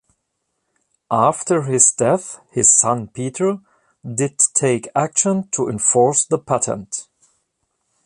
After his death, his son, Peter, did take action to enforce the patent.